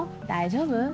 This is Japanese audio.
大丈夫？